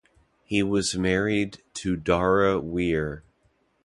He was married to Dara Wier.